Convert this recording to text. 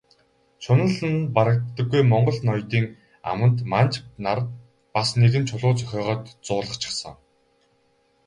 Шунал нь барагддаггүй монгол ноёдын аманд манж нар бас нэгэн чулуу зохиогоод зуулгачихсан.